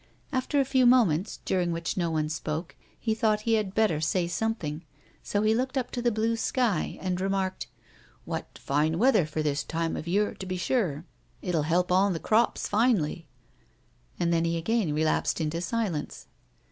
After a few moments, during which no one spoke, he thought he had better say something, so he looked up to the blue sky and remarked : 132 A WOMAN'S LIFE. "What fine weather for this time of year to be sure. It'll help on the crops finely." And then he again relapsed into silence.